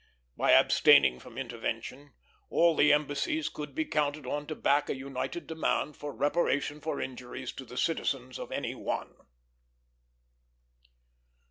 By abstaining from intervention, all the embassies could be counted on to back a united demand for reparation for injuries to the citizens of any one.